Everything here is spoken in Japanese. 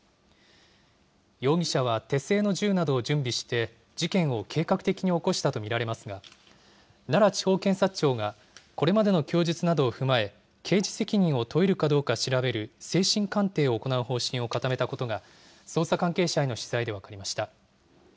容疑者は手製の銃などを準備して、事件を計画的に起こしたと見られますが、奈良地方検察庁が、これまでの供述などを踏まえ、刑事責任を問えるかどうか調べる精神鑑定を行う方針を固めたことが、捜査関係者への取材で分かりました。